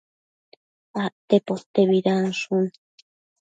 acte potebidanshun